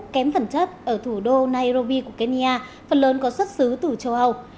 kém phần chấp ở thủ đô nairobi của kenya phần lớn có xuất xứ từ châu hầu